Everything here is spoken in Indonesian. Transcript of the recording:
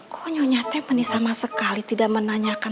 konyonya temennya sama sekali tidak menanyakan